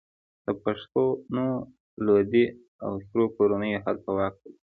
د پښتنو لودي او سور کورنیو هلته واک درلود.